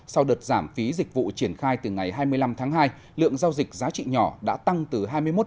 sau đợt giảm phí dịch vụ triển khai từ ngày hai mươi năm tháng hai lượng giao dịch giá trị nhỏ đã tăng từ hai mươi một tám